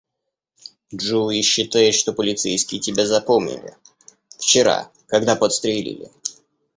Джоуи считает, что полицейские тебя запомнили - вчера, когда подстрелили.